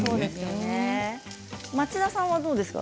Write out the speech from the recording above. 町田さんはどうですか？